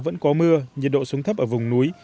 vẫn có mưa nhiệt độ xuống thấp ở vùng núi